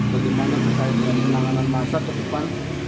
bagaimana terkait dengan penanganan masa ke depan